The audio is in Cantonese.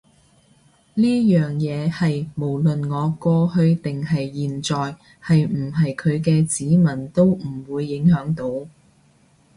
呢樣嘢係無論我過去定係現在係唔係佢嘅子民都唔會影響到